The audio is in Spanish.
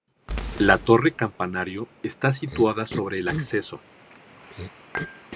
La torre campanario está situada sobre el acceso.